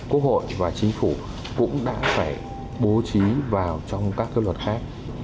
quốc hội và chính phủ cũng đã phải bố trí vào trong các luật khác